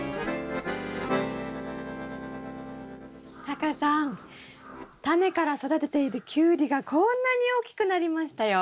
タカさんタネから育てているキュウリがこんなに大きくなりましたよ。